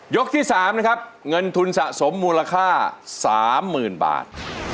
ที่๓นะครับเงินทุนสะสมมูลค่า๓๐๐๐บาท